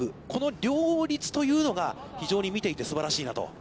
この両立というのが非常に見ていてすばらしいなと。